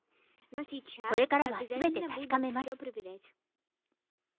これからはすべて確かめます。